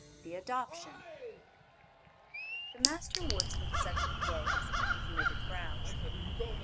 The Adoption The Master Woodsman suddenly rose, with knitted brows.